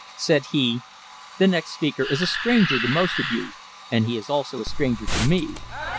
Said he: "The next speaker is a stranger to most of you, and he is also a stranger to me.